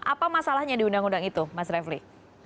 apa masalahnya di undang undang itu mas refli